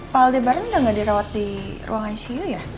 pak aldebaran udah gak dirawat di ruang icu ya